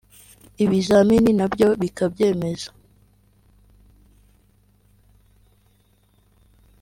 ibizamini nabyo bikabyemeza